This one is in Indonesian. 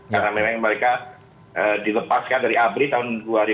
karena memang mereka dilepaskan dari abri tahun dua ribu